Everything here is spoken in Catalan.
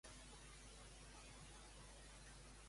Ha anat a veure Puigdemont a Waterloo?